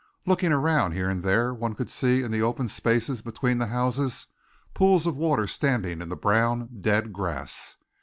Looking around here and there one could see in the open spaces between the houses pools of water standing in the brown, dead grass.